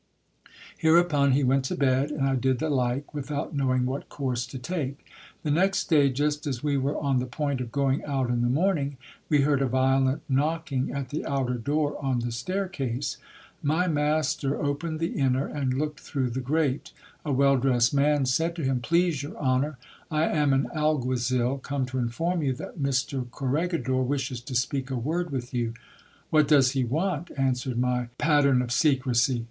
Hereupon he went to bed, and I did the like, without knowing what course to take. The next day, just as we were on the point of going out in the morn ing, we heard a violent knocking at the outer door on the staircase. My master opened the inner, and looked through the grate. A well dressed man said to him : Please your honour, I am an alguazil, come to inform you that Mr Cor regidor wishes to speak a word with you. What does he want ? answered my pattern of secrecy.